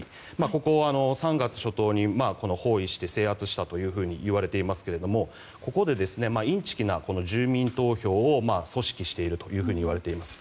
ここは３月初頭に包囲して制圧したと言われていますけどここでインチキな住民投票を組織しているというふうにいわれています。